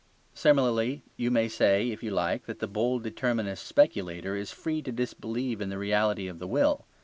Similarly you may say, if you like, that the bold determinist speculator is free to disbelieve in the reality of the will.